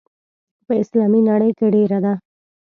په اسلامي نړۍ کې ډېره ده.